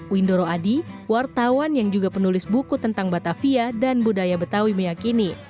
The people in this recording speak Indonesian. windoro adi wartawan yang juga penulis buku tentang batavia dan budaya betawi meyakini